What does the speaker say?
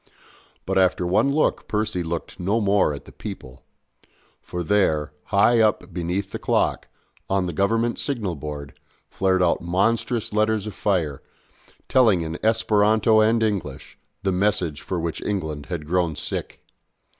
But after one look Percy looked no more at the people; for there, high up beneath the clock, on the Government signal board, flared out monstrous letters of fire, telling in Esperanto and English, the message for which England had grown sick.